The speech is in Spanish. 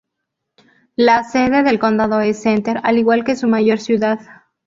La sede del condado es Center, al igual que su mayor ciudad.